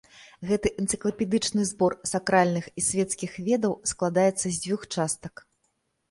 Гэты энцыклапедычны збор сакральных і свецкіх ведаў складаецца з дзвюх частак.